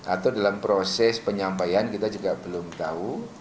atau dalam proses penyampaian kita juga belum tahu